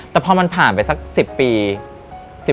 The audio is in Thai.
แต่พอมันผ่านไปสัก๑๐ปี